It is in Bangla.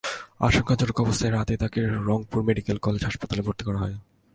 আশঙ্কাজনক অবস্থায় রাতেই তাঁকে রংপুর মেডিকেল কলেজ হাসপাতালে ভর্তি করা হয়।